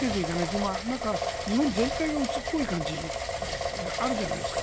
今、日本全体がうつっぽい感じがあるじゃないですか。